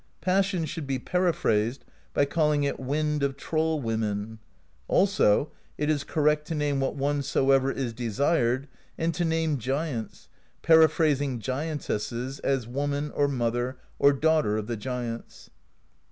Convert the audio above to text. [Pas sion should be periphrased by calling it Wind of Troll Women; also it is correct to name what one soever is de sired, and to name giants, periphrasinggiantesses as Woman or Mother or Daughter of the Giants.